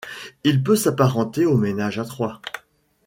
Il peut s'apparenter au ménage à trois.